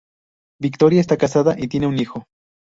Victoria está casada y tiene un hijo.